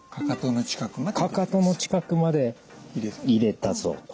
かかとの近くまで入れます。